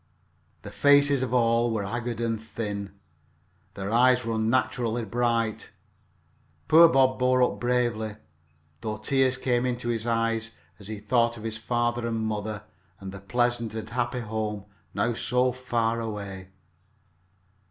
The faces of all were haggard and thin. Their eyes were unnaturally bright. Poor Bob bore up bravely, though tears came into his eyes as he thought of his father and mother, and the pleasant and happy home now so far away.